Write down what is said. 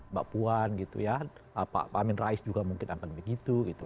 mbak puan gitu ya pak amin rais juga mungkin akan begitu gitu